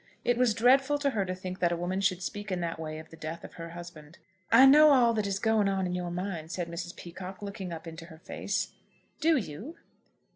It was dreadful to her to think that a woman should speak in that way of the death of her husband. "I know all that is going on in your mind," said Mrs. Peacocke, looking up into her face. "Do you?"